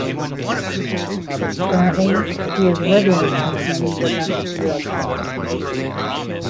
Currently he is living in Thiruvananthapuram.